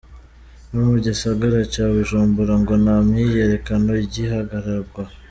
No mu gisagara ca Bujumbura ngo nta myiyerekano ikiharangwa.